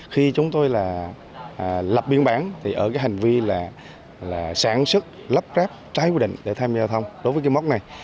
khi chúng tôi là lập biên bản thì ở cái hành vi là sản xuất lắp ráp trái quy định để tham gia giao thông đối với cái mốc này